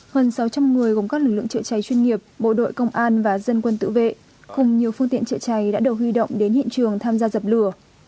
hơn sáu trăm linh người gồm các lực lượng chữa cháy chuyên nghiệp bộ đội công an và dân quân tự vệ cùng nhiều phương tiện chữa cháy đã được huy động đến hiện trường tham gia dập lửa